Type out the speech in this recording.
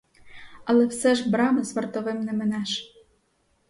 Але все ж брами з вартовим не минеш!